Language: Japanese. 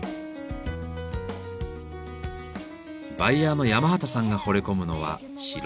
バイヤーの山端さんがほれ込むのは白い器。